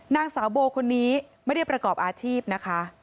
นางสาวโบคนนี้ไม่ได้ประกอบอาชีพนะคะ